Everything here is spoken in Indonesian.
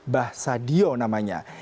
bah sadio namanya